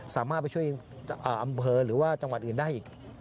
สามารถไปช่วยอำเภอหรือว่าจังหวัดอื่นได้อีก